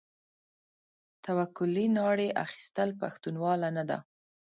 توکلې ناړې اخيستل؛ پښتنواله نه ده.